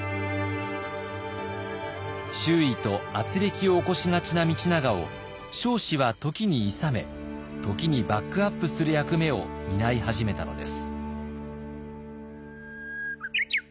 周囲とあつれきを起こしがちな道長を彰子は時にいさめ時にバックアップする役目を担い始めたのです。